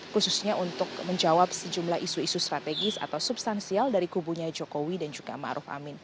khususnya untuk menjawab sejumlah isu isu strategis atau substansial dari kubunya jokowi dan juga ⁇ maruf ⁇ amin